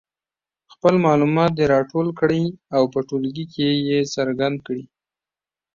خپل معلومات دې راټول کړي او په ټولګي کې یې څرګند کړي.